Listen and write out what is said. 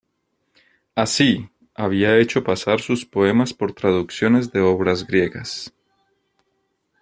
Así, había hecho pasar sus poemas por traducciones de obras griegas.